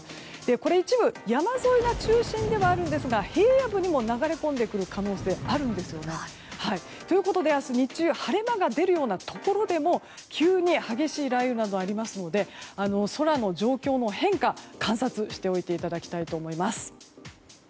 これは、一部山沿いが中心ではありますが平野部にも流れ込んでくる可能性があるんですよね。ということで、明日日中晴れ間が出るようなところでも急に激しい雷雨などがありますので空の状況の変化観察しておいていただきたいと思います。